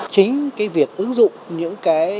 chính cái việc ứng dụng những cái